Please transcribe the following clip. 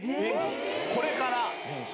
これから。